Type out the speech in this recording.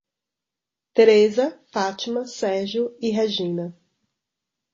Tereza, Fátima, Sérgio e Regina